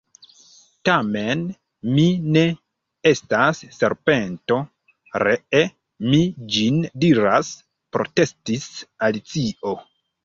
"Tamen mi ne estas serpento, ree mi ĝin diras," protestis Alicio.